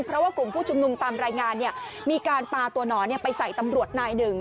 เพราะว่ากลุ่มผู้ชุมนุมตามรายงานมีการปลาตัวหนอนไปใส่ตำรวจนายหนึ่ง